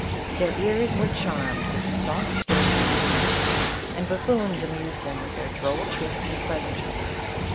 Their ears were charmed with the soft strains of music, and buf foons amused them with their droll tricks and pleasan tries.